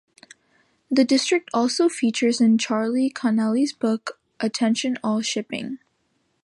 The district also features in Charlie Connelly's book Attention All Shipping.